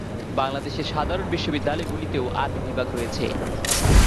বাংলাদেশের সাধারণ বিশ্ববিদ্যালয়গুলিতেও আরবি বিভাগ রয়েছে।